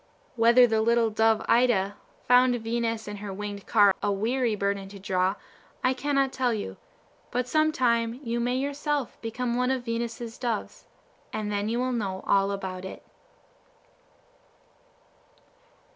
Whether the little dove Ida found Venus and her winged car a weary burden to draw, I cannot tell you; but some time you may yourself become one of Venus's doves, and then you will know all about it.